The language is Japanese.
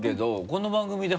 この番組で。